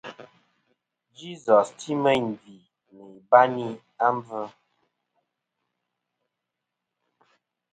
Jesus ti meyn gvì nɨ̀ ibayni a mbvɨ.